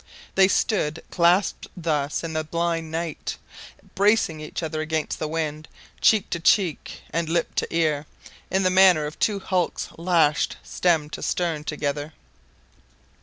They stood clasped thus in the blind night, bracing each other against the wind, cheek to cheek and lip to ear, in the manner of two hulks lashed stem to stern together.